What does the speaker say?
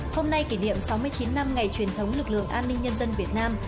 hôm nay kỷ niệm sáu mươi chín năm ngày truyền thống lực lượng an ninh nhân dân việt nam